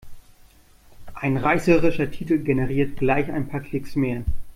Ein reißerischer Titel generiert gleich ein paar Klicks mehr.